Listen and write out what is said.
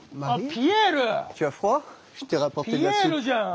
ピエールじゃん！